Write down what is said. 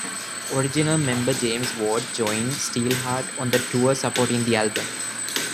Original member James Ward joined Steelheart on the tour supporting the album.